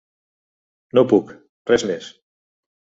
No puc, res més.